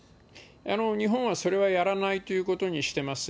日本はそれはやらないということにしてます。